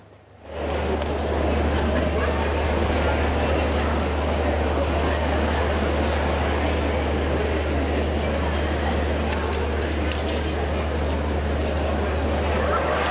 ขอบคุณครับ